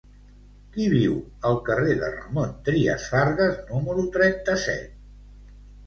Qui viu al carrer de Ramon Trias Fargas número trenta-set?